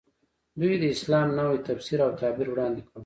دوی د اسلام نوی تفسیر او تعبیر وړاندې کړ.